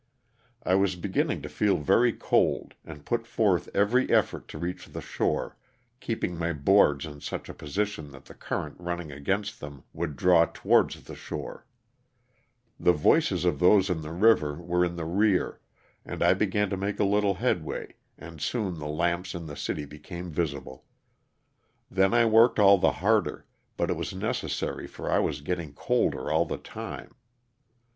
I was beginning to feel very cold and put forth every effort to reach the shore, keeping my boards in such a position that the current running against them would draw towards the shore ; the voices of those in the river were in the rear and I began to make a little headway and soon the lamps in the city became visible. Then I worked all the harder, but it was necessary for I was getting colder all the time.